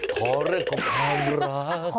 ขอเรื่องของความรัก